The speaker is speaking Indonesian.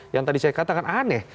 yang tadi saya katakan aneh